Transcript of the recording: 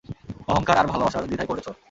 অহংকার আর ভালোবাসার দ্বিধায় পড়েছো!